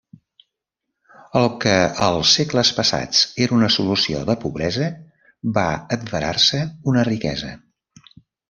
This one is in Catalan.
El que als segles passats era una solució de pobresa, va adverar-se una riquesa.